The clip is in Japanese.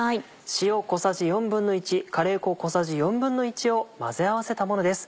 塩小さじ１／４カレー粉小さじ１／４を混ぜ合わせたものです。